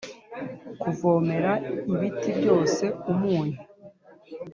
kuvomera ibiti byose umunyu